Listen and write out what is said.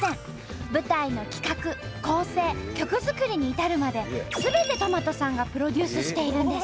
舞台の企画・構成・曲作りに至るまですべてとまとさんがプロデュースしているんです。